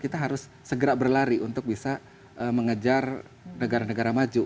kita harus segera berlari untuk bisa mengejar negara negara maju